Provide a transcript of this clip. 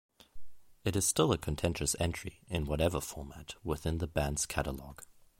It is still a contentious entry, in whatever format, within the band's catalogue.